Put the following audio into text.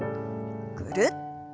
ぐるっと。